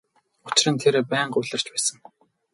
Учир нь тэр байнга улирч байсан.